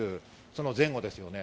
その前後ですね。